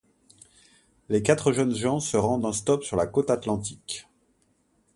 Les quatre jeunes gens se rendent en stop sur la Côte Atlantique.